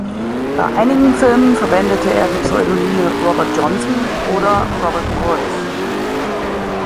Bei einigen Filmen verwendete er die Pseudonyme "Robert Johnson" oder "Robert Morris".